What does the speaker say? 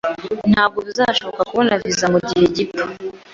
Ntabwo bizashoboka kubona visa mugihe gito